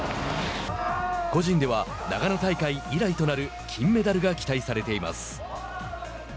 個人では、長野大会以来となる金メダルが期待されています。